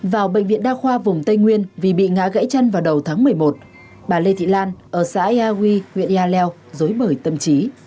vào bệnh viện đa khoa vùng tây nguyên vì bị ngã gãy chân vào đầu tháng một mươi một bà lê thị lan ở xã ya huy huyện yà leo dối bởi tâm trí